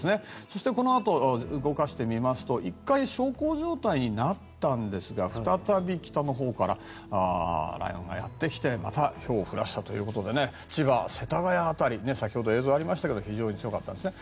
このあと、動かしていきますといったん小康状態になったんですが再び北のほうから雷雲がやってきてまたひょうを降らしたということで世田谷辺り先ほど映像がありましたが非常に強かったんですね。